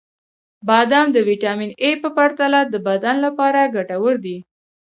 • بادام د ویټامین ای په پرتله د بدن لپاره ګټور دي.